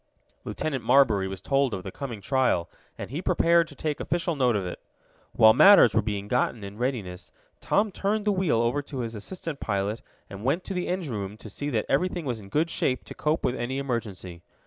Lieutenant Marbury was told of the coming trial, and he prepared to take official note of it. While matters were being gotten in readiness Tom turned the wheel over to his assistant pilot and went to the engine room to see that everything was in good shape to cope with any emergency.